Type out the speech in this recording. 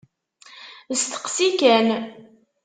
Steqsi kan!